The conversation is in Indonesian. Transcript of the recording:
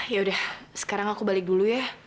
yaudah sekarang aku balik dulu ya